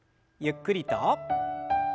ゆっくりと。